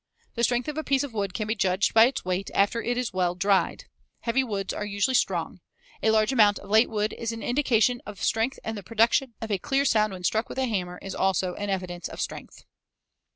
The strength of a piece of wood can be judged by its weight after it is well dried. Heavy woods are usually strong. A large amount of late wood is an indication of strength and the production of a clear sound when struck with a hammer is also an evidence of strength.